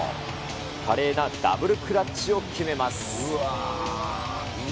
華麗なダブルクラッチを決めます。